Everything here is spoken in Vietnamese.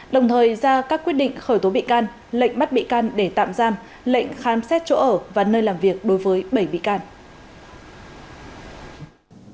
đồng thời ra các quyết định khởi tố bị can lệnh bắt bị can để tạm giam lệnh khám xét chỗ ở và nơi làm việc đối với bảy bị can